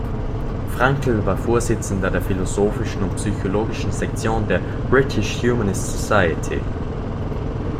Frankl war Vorsitzender der Philosophischen und Psychologischen Sektion der British Humanist Society.